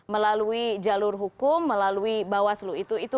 melalui jalur hukum melalui bawaslu itu